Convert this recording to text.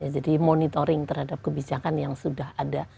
jadi monitoring terhadap kebijakan yang sudah ada